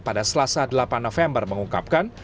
pada selasa delapan november mengungkapkan